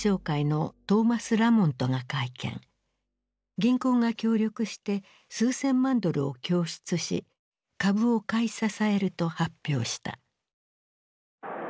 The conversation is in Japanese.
銀行が協力して数千万ドルを供出し株を買い支えると発表した。